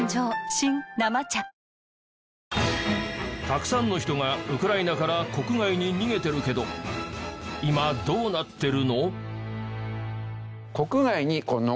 たくさんの人がウクライナから国外に逃げてるけど今どうなってるの？